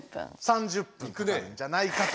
３０分なんじゃないかと。